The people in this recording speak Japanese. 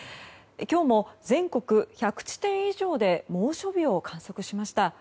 今日も全国１００地点以上で猛暑日を観測しました。